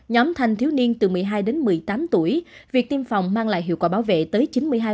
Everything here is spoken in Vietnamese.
nhóm thanh thiếu niên từ một mươi hai đến một mươi tám tuổi việc tiêm phòng mang lại hiệu quả bảo vệ tới chín mươi hai